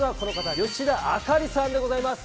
吉田朱里さんでございます。